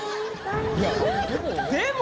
でも。